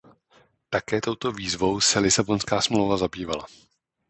Také touto výzvou se Lisabonská smlouva zabývala.